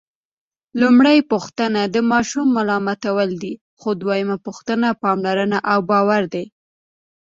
لومړۍ پوښتنه د ماشوم ملامتول دي، خو دویمه پوښتنه پاملرنه او باور دی.